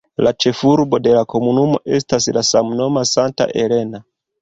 La ĉefurbo de la komunumo estas la samnoma Santa Elena.